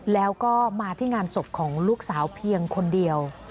แล้วก็มาที่งานศพของลูกสาวเพียงคนเดียว